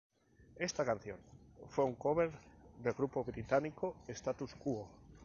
Esta canción fue un cover del grupo británico Status Quo.